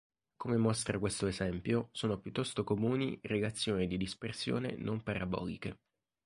Come mostra questo esempio sono piuttosto comuni relazioni di dispersione non paraboliche.